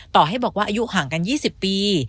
ต่อให้บอกว่าอายุห่างกัน๒๐ปี